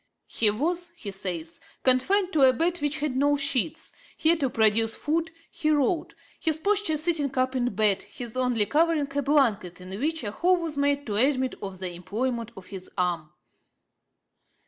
'He was,' he says, 'confined to a bed which had no sheets; here, to procure food, he wrote; his posture sitting up in bed, his only covering a blanket, in which a hole was made to admit of the employment of his arm.'